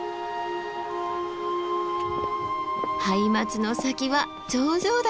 ハイマツの先は頂上だ！